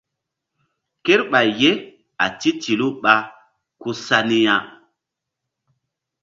Kerɓay ye a titilu ɓa ku sa ni ya.